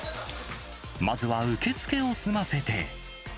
まずは受け付けを済ませて。